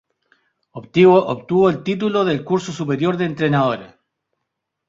Obtuvo el título del curso superior de entrenadora.